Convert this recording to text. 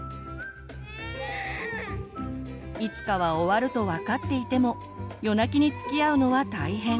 いつかは終わると分かっていても夜泣きにつきあうのは大変。